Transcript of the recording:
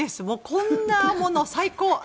こんなもの、最高！